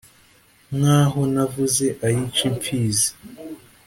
Nk' aho navuze ayica impfizi.